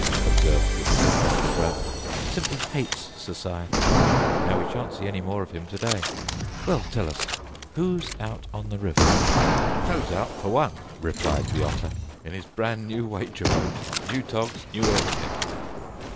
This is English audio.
observed the disappointed Rat. "Simply hates Society! Now we shan't see any more of him to day. Well, tell us, who's out on the river?" "Toad's out, for one," replied the Otter. "In his brand new wager boat; new togs, new everything!"